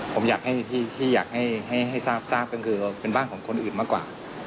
ผมอยากให้ที่ที่อยากให้ให้ให้ทราบทราบกันคือเป็นบ้านของคนอื่นมากกว่า